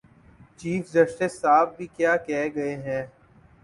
Chief justice صاحب بھی کیا کہہ گئے ہیں؟